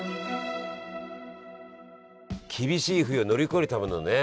厳しい冬を乗り越えるためのね